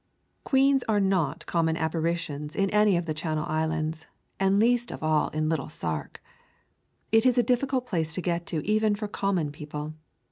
Queens are not common apparitions in any of the Channel Islands, and least of all in little Sark. It is a difficult place to get to even for common people.